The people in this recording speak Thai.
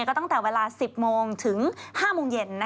ก็ตั้งแต่เวลา๑๐โมงถึง๕โมงเย็น